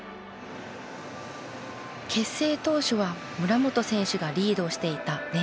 結成当初は村元選手がリードしていた練習。